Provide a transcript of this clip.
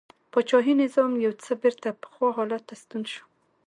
پاچاهي نظام یو ځل بېرته پخوا حالت ته ستون شو.